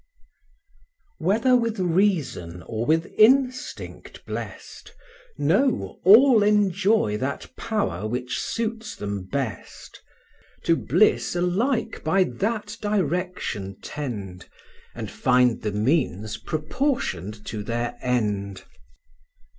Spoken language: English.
II. Whether with reason, or with instinct blest, Know, all enjoy that power which suits them best; To bliss alike by that direction tend, And find the means proportioned to their end.